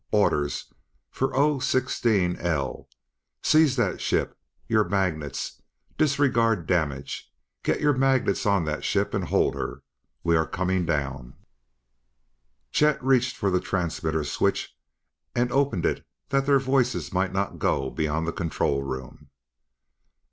Orders for O sixteen L: seize that ship! Your magnets! disregard damage! get your magnets on that ship and hold her. We are coming down " Chet reached for the transmitter switch and opened it that their voices might not go beyond the control room.